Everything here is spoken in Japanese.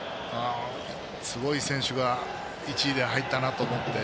すごい選手が１位で入ったなと思ってね。